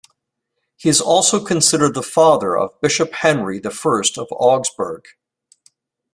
He is also considered the father of Bishop Henry the First of Augsburg.